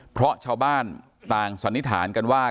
เพราะชาวบ้านต่างสันนิษฐานกันว่า